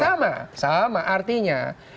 sama sama artinya